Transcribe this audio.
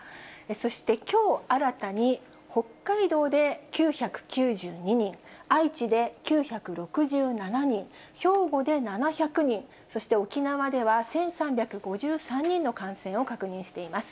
そしてきょう新たに北海道で９９２人、愛知で９６７人、兵庫で７００人、そして沖縄では１３５３人の感染を確認しています。